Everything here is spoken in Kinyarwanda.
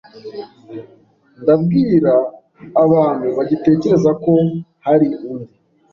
Ndabwira abantu bagitekereza ko hari undi